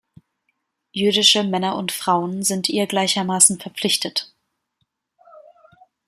Jüdische Männer und Frauen sind ihr gleichermaßen verpflichtet.